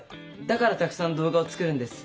だからたくさん動画を作るんです！